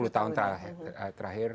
lima puluh tahun terakhir